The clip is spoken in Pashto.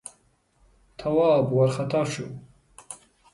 تواب وارخطا شو: